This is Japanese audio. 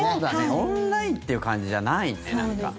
オンラインって感じじゃないね、なんか。